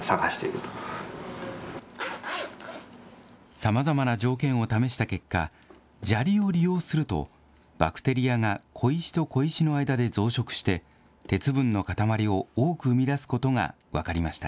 さまざまな条件を試した結果、砂利を利用すると、バクテリアが小石と小石の間で増殖して、鉄分の塊を多く生み出すことが分かりました。